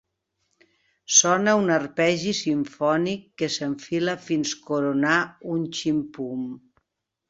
Sona un arpegi simfònic que s'enfila fins coronar un ximpum.